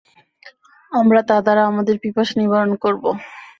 আমরা তা দ্বারা আমাদের পিপাসা নিবারণ করব।